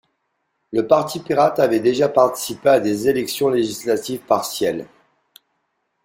Le Parti pirate avait déjà participé à des élections législatives partielles.